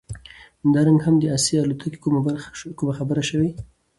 دا رنګ د هم داسې الوتى کومه خبره شوې؟